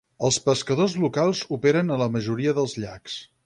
Els pescadors locals operen a la majoria dels llacs.